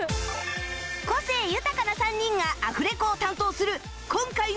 個性豊かな３人がアフレコを担当するよっしゃー！